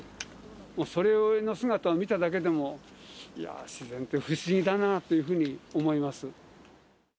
もうその姿を見ただけでも、いやー、自然って不思議だなっていうふうに思います。